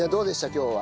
今日は。